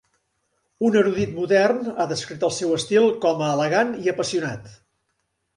Un erudit modern ha descrit el seu estil com a elegant i apassionat.